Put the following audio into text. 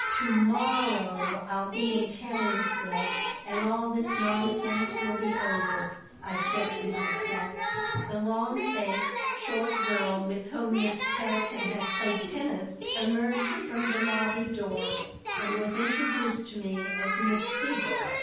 "To morrow I'll be in Tannersville and all this nonsense will be over," I said to myself The long faced, short girl with whom Miss Tevkin had played tennis emerged from the lobby door and was introduced to me as Miss Siegel.